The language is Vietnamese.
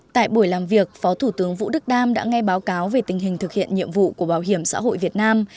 tại buổi làm việc phó thủ tướng vũ đức đam đã nghe báo cáo về tình hình thực hiện nhiệm vụ của bảo hiểm xã hội việt nam